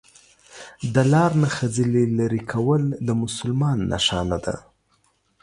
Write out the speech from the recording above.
دا لار نه خځلي لري کول د مسلمان نښانه ده